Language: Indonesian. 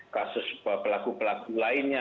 kasus pelaku pelaku lainnya